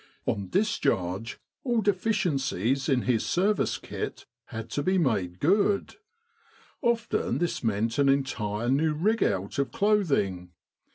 On discharge, all deficiencies in his service kit had to be made good ; often this meant an entire new rig out of clothing.